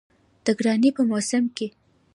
د ګرانۍ په موسم کې